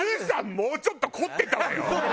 もうちょっと凝ってたわよ。